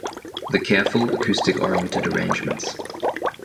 The careful, acoustic-oriented arrangements.